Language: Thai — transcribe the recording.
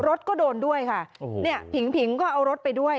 รถก็โดนด้วยค่ะโอ้โหเนี่ยผิงผิงก็เอารถไปด้วย